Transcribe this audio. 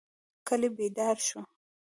کلی بیدار شو.